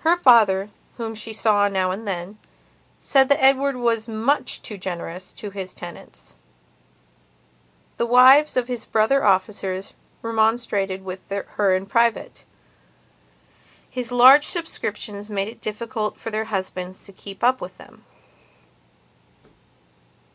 Her father, whom she saw now and then, said that Edward was much too generous to his tenants; the wives of his brother officers remonstrated with her in private; his large subscriptions made it difficult for their husbands to keep up with them.